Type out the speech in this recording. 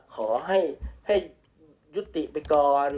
ขอให้ยุติไปก่อน